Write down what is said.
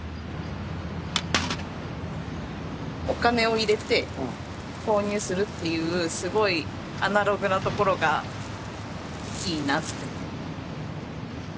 ・お金を入れて購入するっていうすごいアナログなところがいいなって。